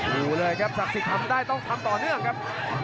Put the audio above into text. ดูเลยครับศักดิ์สิทธิ์ทำได้ต้องทำต่อเนื่องครับ